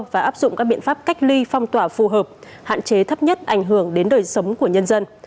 và áp dụng các biện pháp cách ly phong tỏa phù hợp hạn chế thấp nhất ảnh hưởng đến đời sống của nhân dân